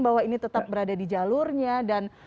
bahwa ini tetap berada di jalurnya dan